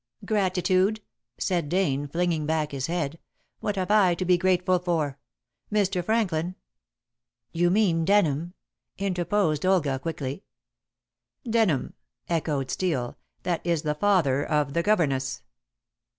"Gratitude!" said Dane, flinging back his head, "what have I to be grateful for? Mr. Franklin " "You mean Denham," interposed Olga quickly. "Denham!" echoed Steel, "that is the father of the governess."